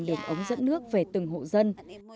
điện ống dẫn nước về từng hộ dân